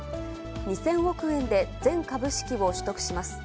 ２０００億円で全株式を取得します。